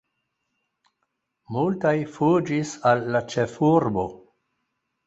Multaj fuĝis al la ĉefurbo.